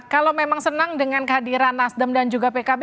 kalau memang senang dengan kehadiran nasdem dan juga pkb